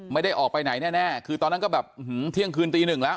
ไม่ได้ออกไปไหนแน่คือตอนนั้นก็แบบเที่ยงคืนตีหนึ่งแล้ว